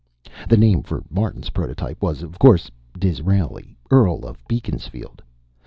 The name for Martin's prototype was, of course, Disraeli, Earl of Beaconsfield.